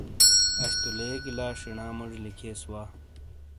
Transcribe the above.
اش تو لیگی لا شینا موجی لکھیئیس وا۔